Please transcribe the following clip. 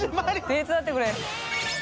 「手伝ってくれ」